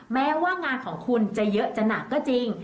แม้ว่างานของคุณจะเยอะจะหนักก็จริง